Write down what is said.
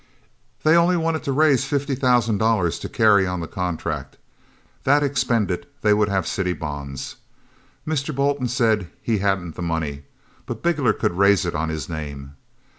They only wanted to raise fifty thousand dollars to carry on the contract that expended they would have city bonds. Mr. Bolton said he hadn't the money. But Bigler could raise it on his name.